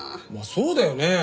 まあそうだよね。